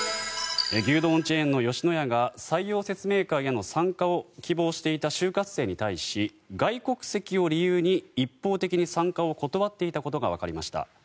牛丼チェーンの吉野家が採用説明会への参加を希望していた就活生に対し、外国籍を理由に一方的に参加を断っていたことがわかりました。